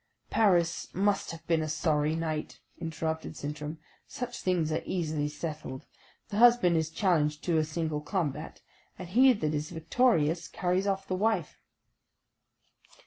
"Paris must have been a sorry knight," interrupted Sintram. "Such things are easily settled. The husband is challenged to a single combat, and he that is victorious carries off the wife."